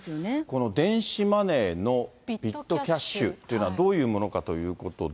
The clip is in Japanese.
この電子マネーのビットキャッシュっていうのはどういうものかということで。